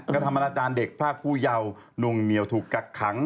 ก็ธรรมนาจารย์เด็กภาคผู้เยานุ่งเหนียวถูกกักขัง